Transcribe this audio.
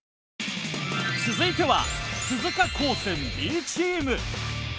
続いては鈴鹿高専Ｂチーム。